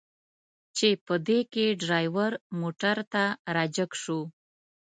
چې په دې کې ډریور موټر ته را جګ شو.